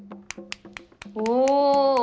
お。